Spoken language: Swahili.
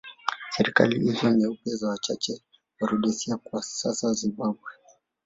Serikali hizo nyeupe za wachache wa Rhodesia kwa sasa Zimbabwe